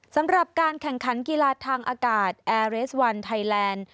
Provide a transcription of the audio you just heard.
สำหรับการแข่งขันกีฬาทางอากาศแอร์เรสวันไทยแลนด์